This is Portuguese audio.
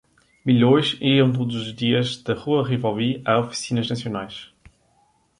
Milhões iam todos os dias da rua Rivoli a oficinas nacionais.